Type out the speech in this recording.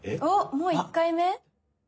もう１回目？